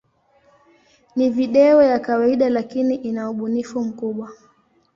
Ni video ya kawaida, lakini ina ubunifu mkubwa.